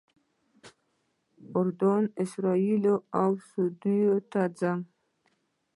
اردن، اسرائیلو او سعودي ته ځم.